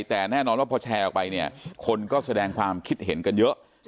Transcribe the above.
แต่แน่นอนว่าพอแชร์ออกไปเนี่ยคนก็แสดงความคิดเห็นกันเยอะ